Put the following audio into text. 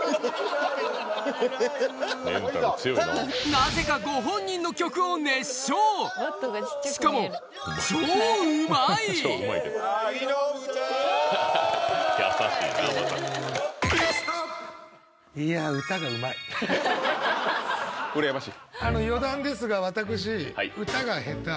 なぜかご本人の曲をしかもうらやましい？